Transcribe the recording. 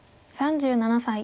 ３７歳。